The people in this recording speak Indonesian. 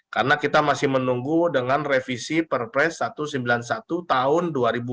karena kita masih menunggu dengan revisi pr press satu ratus sembilan puluh satu tahun dua ribu empat belas